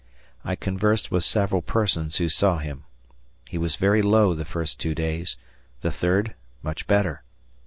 I conversed with several persons who saw him. He was very low the first two days, the third much better.